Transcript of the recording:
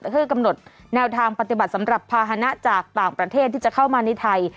เพื่อกำหนดแนวทางปฏิบัติสำหรับภาษณะจากต่างประเทศที่จะเข้ามาในไทย